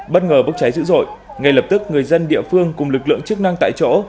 bất ngờ bốc cháy dữ dội ngay lập tức người dân địa phương cùng lực lượng chức năng tại chỗ